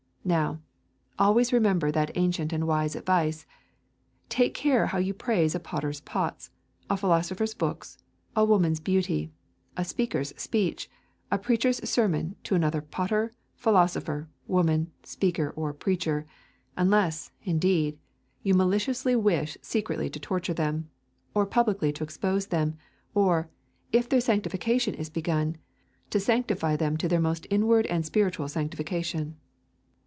Now, always remember that ancient and wise advice. Take care how you praise a potter's pots, a philosopher's books, a woman's beauty, a speaker's speech, a preacher's sermon to another potter, philosopher, woman, speaker, or preacher; unless, indeed, you maliciously wish secretly to torture them, or publicly to expose them, or, if their sanctification is begun, to sanctify them to their most inward and spiritual sanctification.